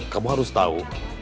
kamu harus tahu